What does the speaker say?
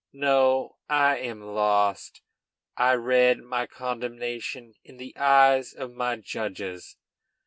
No, I am lost. I read my condemnation in the eyes of my judges.